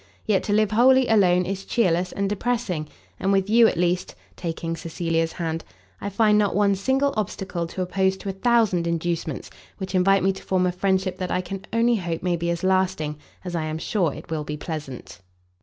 Yet to live wholly alone is chearless and depressing; and with you, at least," taking Cecilia's hand, "I find not one single obstacle to oppose to a thousand inducements, which invite me to form a friendship that I can only hope may be as lasting, as I am sure it will be pleasant."